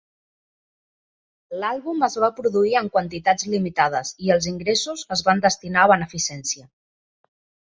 L'àlbum es va produir en quantitats limitades i els ingressos es van destinar a beneficència.